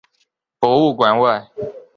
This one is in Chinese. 博物馆外